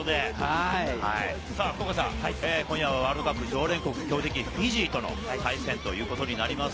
福岡さん、今夜はワールドカップ常連国、強敵・フィジーとの対戦ということになります。